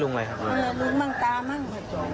แต่ลุงมั่งตามั่งต้อง